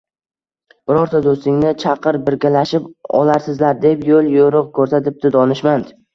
Birorta do‘stingni chaqir, birgalashib olarsizlar, – deb yo‘l-yo‘riq ko‘rsatibdi donishmand